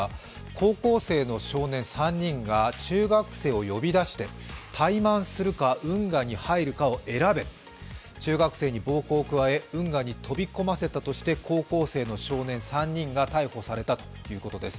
高校生の少年３人が中学生を呼び出してタイマンするか運河に入るかを選べ中学生に暴行を加え運河に飛び込ませたとして高校生の少年３人が逮捕されたということです。